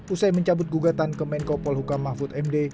usai mencabut gugatan ke menkopol hukam mahfud md